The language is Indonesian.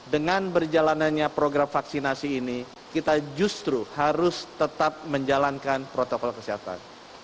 dengan berjalanannya program vaksinasi ini kita justru harus tetap menjalankan protokol kesehatan